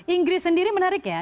inggris sendiri menarik ya